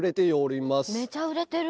めちゃ売れてる！